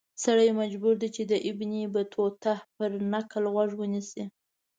سړی مجبور دی چې د ابن بطوطه پر نکل غوږ ونیسي.